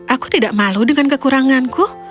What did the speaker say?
aku tidak malu dengan kekuranganku